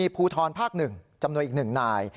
ภูทรภาค๑จำนวนอีก๑นาย